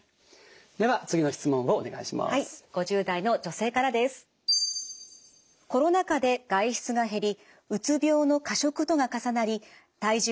では次の質問をお願いします。